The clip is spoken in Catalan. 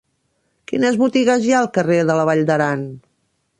Quines botigues hi ha al carrer de la Vall d'Aran?